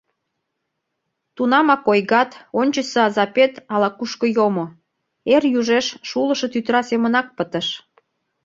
Тунамак ойгат, ончычсо азапет ала-кушко йомо, эр южеш шулышо тӱтыра семынак пытыш.